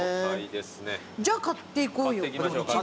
じゃあ買っていこうよ。